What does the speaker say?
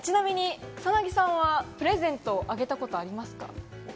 草薙さんはプレゼントあげたことありますか？